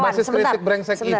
bukan mungkin bisa disebut